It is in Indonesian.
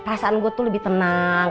perasaan gue tuh lebih tenang